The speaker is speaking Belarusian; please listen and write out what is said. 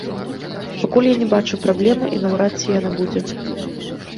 Пакуль я не бачу праблемы і наўрад ці яна будзе.